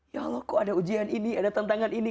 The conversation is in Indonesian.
ya allah kok ada ujian ini ada tantangan ini